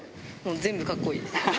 全部かっこいい。